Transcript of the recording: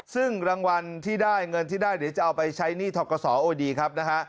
ซึ่งรางวัลที่ได้เงินที่ได้เดี๋ยวจะเอาไปใช้หนี้ทกศโอ้ดีครับนะฮะ